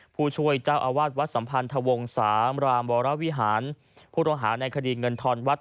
ผู้ช่วยเจ้าอาวาสวัดสัมพันธวงศามรามวรวิหารผู้ต้องหาในคดีเงินทอนวัด